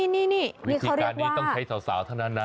นี่วิธีการนี้ต้องใช้สาวเท่านั้นนะ